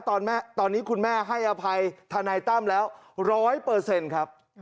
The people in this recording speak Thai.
ตอนแม่ตอนนี้คุณแม่ให้อภัยทนายตั้มแล้วร้อยเปอร์เซ็นต์ครับ